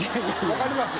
分かります？